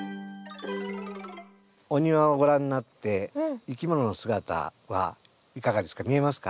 お庭をご覧なっていきものの姿はいかがですか？